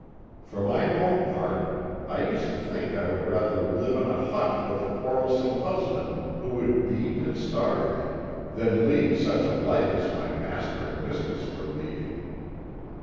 For my own part I used to think I would rather live in a hut with a quarrelsome husband who would beat and starve me, than lead such a life as my master and mistress were leading.